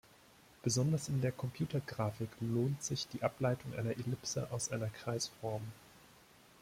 Besonders in der Computergrafik lohnt sich die Ableitung einer Ellipse aus einer Kreisform.